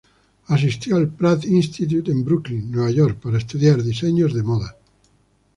Asistió al Pratt Institute en Brooklyn, New York para estudiar diseño de Modas.